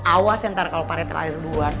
awas entar kalau pak rete lari duluan